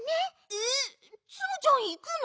えっツムちゃんいくの？